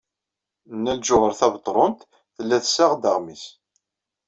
Nna Lǧuheṛ Tabetṛunt tella tessaɣ-d aɣmis.